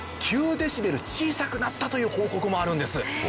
デシベル小さくなったという報告もあるんです。